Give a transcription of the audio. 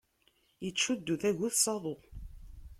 Ittcuddu tagut s aḍu.